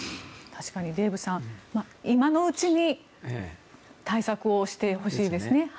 デーブさん、今のうちに対策をしてほしいですね。